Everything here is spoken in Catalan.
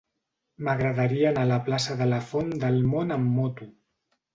M'agradaria anar a la plaça de la Font del Mont amb moto.